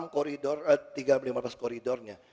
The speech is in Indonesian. enam koridor tiga berlimpah pas koridornya